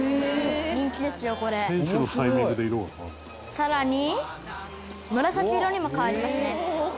「更に紫色にも変わりますね」